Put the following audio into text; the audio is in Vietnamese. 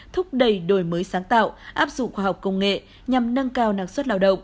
thúc đẩy đổi mới sáng tạo áp dụng khoa học công nghệ nhằm nâng cao năng suất lao động